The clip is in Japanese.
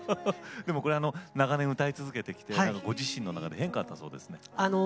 長年歌い続けてきてご自身の中で変化があったそうですね。